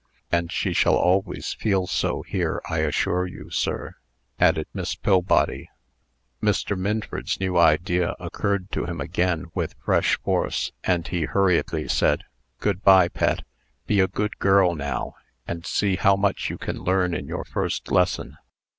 "And she shall always feel so here, I assure you, sir," added Miss Pillbody. Mr. Minford's new idea occurred to him again with fresh force, and he hurriedly said: "Good by, Pet. Be a good girl, now, and see how much you can learn in your first lesson."